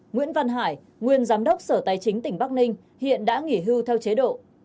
nguyễn văn hải nguyên giám đốc sở tài chính tỉnh bắc ninh hiện đã nghỉ hưu theo chế độ